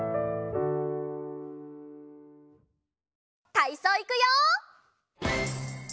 たいそういくよ！